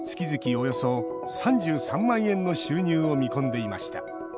およそ３３万円の収入を見込んでいました。